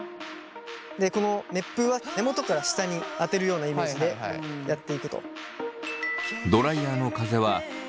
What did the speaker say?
この熱風は根元から下に当てるようなイメージでやっていくと。